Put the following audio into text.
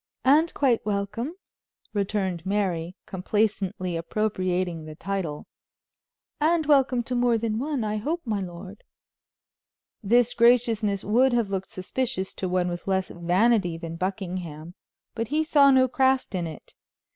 "And quite welcome," returned Mary, complacently appropriating the title, "and welcome to more than one, I hope, my lord." This graciousness would have looked suspicious to one with less vanity than Buckingham, but he saw no craft in it.